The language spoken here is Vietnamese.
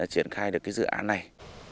triển khai được cái dự án này